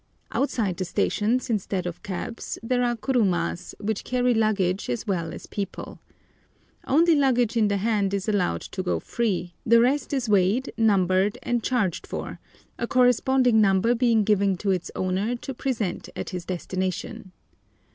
Outside the stations, instead of cabs, there are kurumas, which carry luggage as well as people. Only luggage in the hand is allowed to go free; the rest is weighed, numbered, and charged for, a corresponding number being given to its owner to present at his destination.